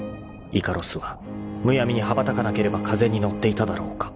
イカロスはむやみに羽ばたかなければ風に乗っていただろうか］